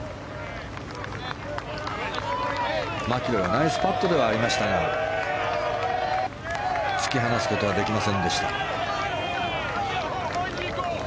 マキロイはナイスパットではありましたが突き放すことはできませんでした。